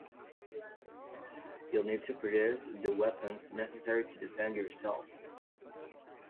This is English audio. You'll need to produce the weapons necessary to defend yourself.